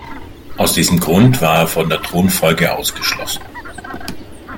Aus diesem Grund war er von der Thronfolge ausgeschlossen.